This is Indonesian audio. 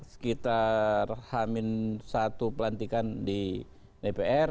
sekitar hamin satu pelantikan di dpr